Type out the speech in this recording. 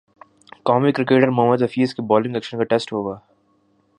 قومی کرکٹر محمد حفیظ کے bowling action کا ٹیسٹ ہو گا